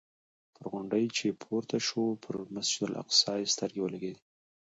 پر غونډۍ چې پورته شو پر مسجد الاقصی یې سترګې ولګېدې.